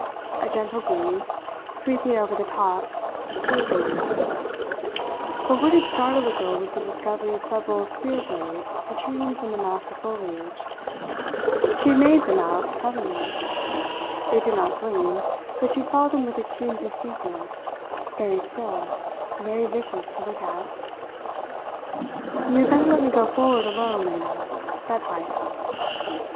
A gentle breeze, sweeping over the top, stirred them a little; but what had startled the girl was the discovery of several spear blades protruding from the mass of foliage. She had made them out suddenly. They did not gleam, but she saw them with extreme distinctness, very still, very vicious to look at. "You had better let me go forward alone, Lena," said Heyst.